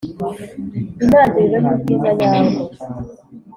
intangiriro y'ubwiza nyabwo